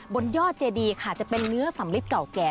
บนยอดเจดีค่ะจะเป็นเนื้อสำลิดเก่าแก่